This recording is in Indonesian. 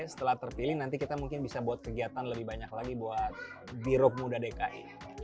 setelah terpilih nanti kita mungkin bisa buat kegiatan lebih banyak lagi buat biro muda dki